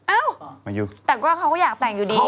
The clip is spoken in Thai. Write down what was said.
เอ้าแต่ก็เขาก็อยากแต่งอยู่ดี